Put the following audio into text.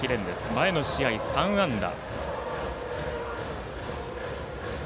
前の試合、３安打。